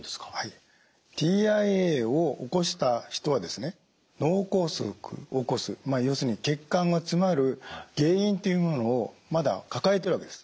ＴＩＡを起こした人は脳梗塞を起こす要するに血管が詰まる原因というものをまだ抱えてるわけです。